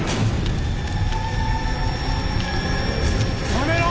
やめろ！